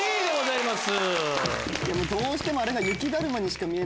どうしてもあれが。